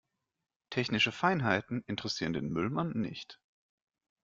Technische Feinheiten interessieren den Müllmann nicht.